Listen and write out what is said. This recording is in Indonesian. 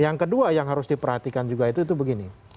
yang kedua yang harus diperhatikan juga itu begini